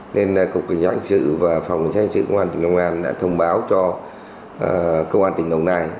nên cục vật chất hình sự và phòng vật chất hình sự công an tỉnh long an đã thông báo cho công an tỉnh long an